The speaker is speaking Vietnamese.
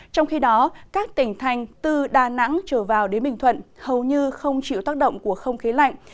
trong khi đó các tỉnh thành từ đà nẵng trở vào đến bình thuận hầu như không chịu tác động của không khí lạnh